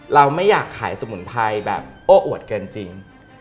เราไม่อยากขายสมุนไพรแบบโอ้อวดเกินจริง